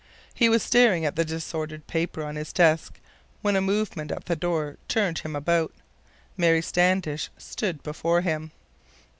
He was staring at the disordered papers on his desk when a movement at the door turned him about. Mary Standish stood before him.